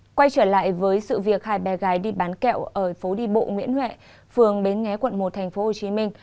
ngay trở lại với sự việc hai bé gái đi bán kẹo ở phố đi bộ nguyễn huệ phường bến nghé quận một tp hcm